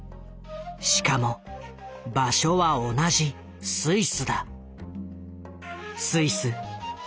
しかも場所は同じスイスだ。